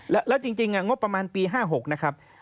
แล้วจริงงบประมาณปี๕๖นะครับ